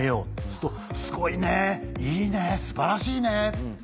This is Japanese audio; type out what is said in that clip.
すると「すごいね！いいね！素晴らしいね！」。